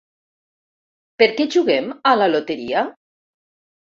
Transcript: Per què juguem a la loteria?